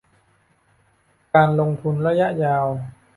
การลงทุนระยะยาว